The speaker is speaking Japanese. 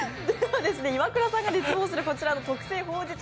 イワクラさんが熱望する特製ほうじ茶